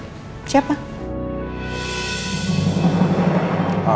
sama seseorang gitu